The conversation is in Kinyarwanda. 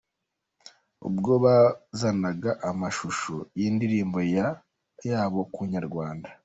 Ubwo bazanaga amashusho y’indirimbo yabo ku inyarwanda.